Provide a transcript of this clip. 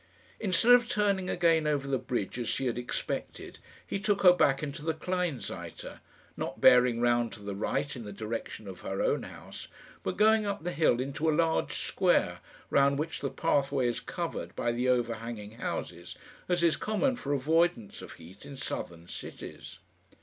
Instead of turning again over the bridge as she had expected, he took her back into the Kleinseite, not bearing round to the right in the direction of her own house, but going up the hill into a large square, round which the pathway is covered by the overhanging houses, as is common for avoidance of heat in Southern cities.